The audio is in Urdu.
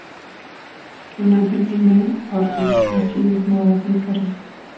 کیوں نہ دلی میں ہر اک ناچیز نوّابی کرے